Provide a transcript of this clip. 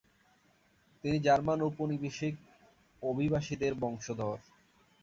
তিনি জার্মান উপনিবেশিক অভিবাসীদের বংশধর।